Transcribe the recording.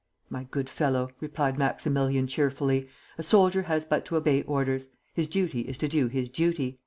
"My good fellow," replied Maximilian, cheerfully, "a soldier has but to obey orders; his duty is to do his duty."